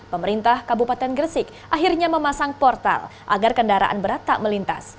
pemerintah kabupaten gresik akhirnya memasang portal agar kendaraan berat tak melintas